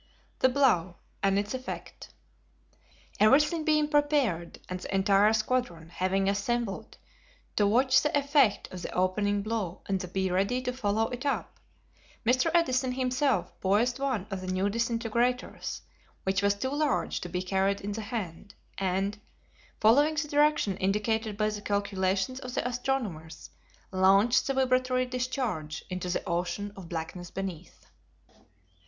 The Blow And Its Effect. Everything being prepared, and the entire squadron having assembled to watch the effect of the opening blow and be ready to follow it up, Mr. Edison himself poised one of the new disintegrators, which was too large to be carried in the hand, and, following the direction indicated by the calculations of the astronomers, launched the vibratory discharge into the ocean of blackness beneath.